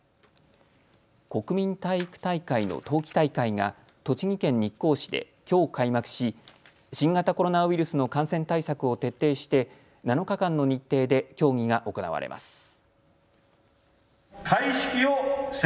国民体育大会の冬季大会が栃木県日光市できょう開幕し、新型コロナウイルスの感染対策を徹底して７日間の日程で競技が行われます。